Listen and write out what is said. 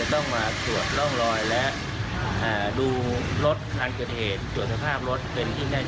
ต้องมาตรวจร่องรอยและดูรถคันเกิดเหตุตรวจสภาพรถเป็นที่แน่น